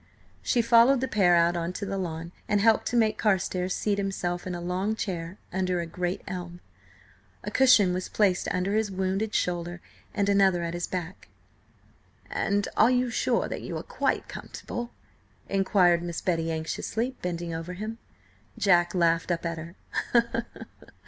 She followed the pair out on to the lawn, and helped to make Carstares seat himself in a long chair under a great elm. A cushion was placed under his wounded shoulder and another at his back. "And are you sure that you are quite comfortable?" inquired Miss Betty, anxiously bending over him. Jack laughed up at her.